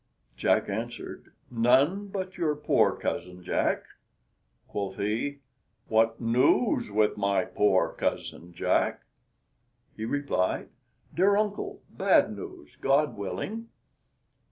Jack answered, "None but your poor cousin Jack." Quoth he, "What news with my poor cousin Jack?" He replied, "Dear uncle, bad news, God willing!"